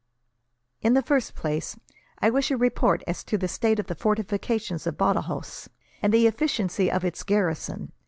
"In the first place, I wish a report as to the state of the fortifications of Badajos, and the efficiency of its garrison.